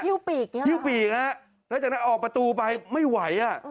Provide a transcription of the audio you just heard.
หิ้วปีกนี่หรอหิ้วปีกนี่นะแล้วจากนั้นออกประตูไปไม่ไหวอ่ะ